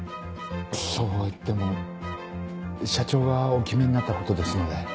そうは言っても社長がお決めになったことですので。